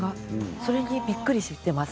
それにびっくりしています。